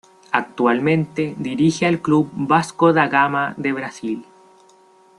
Actualmente dirige al club Vasco da Gama de Brasil.